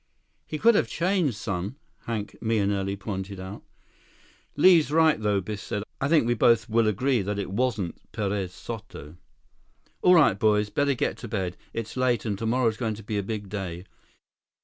52 "He could have changed, son," Hank Mahenili pointed out. "Li's right, though," Biff said. "I think we both will agree that it wasn't Perez Soto." "All right, boys. Better get to bed. It's late, and tomorrow's going to be a big day."